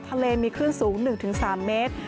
ทะเลมีคลื่นสูง๑๓เมตร